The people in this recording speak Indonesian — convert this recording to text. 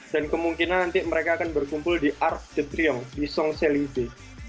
dan kemungkinan nanti mereka akan berkumpul di arc de triomphe di saint céline